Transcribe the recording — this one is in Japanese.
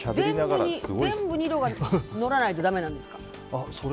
全部に色が乗らないとだめなんですか？